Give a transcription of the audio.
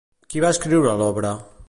Qui va escriure l'obra?